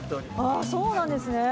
そうなんですね。